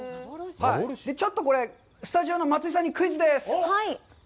ちょっとこれ、スタジオの松井さんにクイズです。